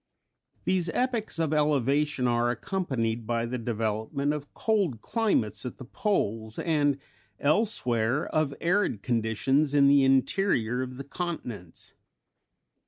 These epochs of elevation are accompanied by the development of cold climates at the poles, and elsewhere of arid conditions in the interior of the continents.